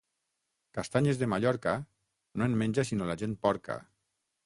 Castanyes de Mallorca, no en menja sinó la gent porca.